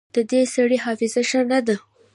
د دې سړي حافظه ښه نه ده